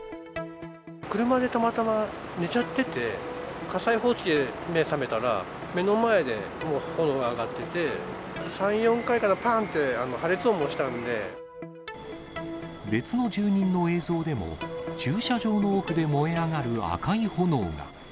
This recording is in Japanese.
車でたまたま寝ちゃってて、火災報知機で目が覚めたら、目の前でもう、炎が上がっていて、３、４回かな、別の住人の映像でも、駐車場の奥で燃え上がる赤い炎が。